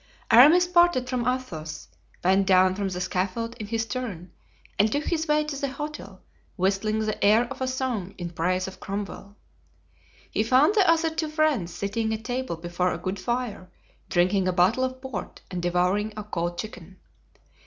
Aramis parted from Athos, went down from the scaffold in his turn and took his way to the hotel, whistling the air of a song in praise of Cromwell. He found the other two friends sitting at table before a good fire, drinking a bottle of port and devouring a cold chicken.